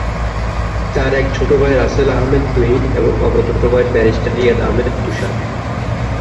তার এক ছোট ভাই রাসেল আহমেদ তুহিন এবং অপর ছোট ভাই ব্যারিস্টার রিয়াদ আহমেদ তুষার।